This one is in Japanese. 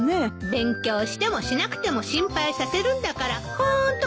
勉強してもしなくても心配させるんだからホント困った子ね。